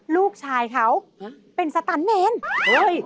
ลูกชายเขาเป็นสตันเมนเฮ้ย